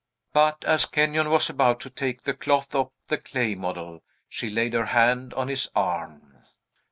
But, as Kenyon was about to take the cloth off the clay model, she laid her hand on his arm.